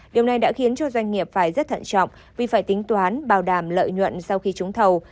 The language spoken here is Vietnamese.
điều này đã khiến cho doanh nghiệp phải rất thận trọng vì phải tính toán bảo đảm lợi nhuận sau khi trúng thầu